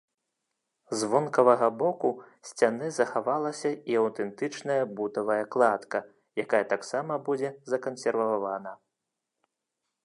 З вонкавага боку сцяны захавалася і аўтэнтычная бутавая кладка, якая таксама будзе закансервавана.